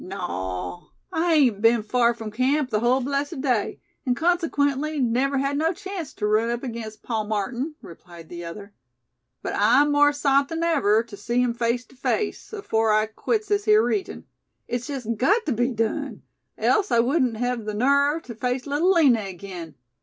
"Naw. I hain't been far from camp the hull blessed day; an' consequently never had no chanct tew run up against Pa Martin," replied the other. "But I'm more sot than ever tew see him face tew face, afore I quits this here region. It's jest gut tew be done, else I wudn't hev ther nerve tew face Little Lina agin.